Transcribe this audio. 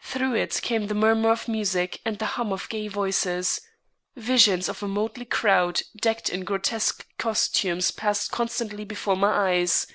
Through it came the murmur of music and the hum of gay voices. Visions of a motley crowd decked in grotesque costumes passed constantly before my eyes.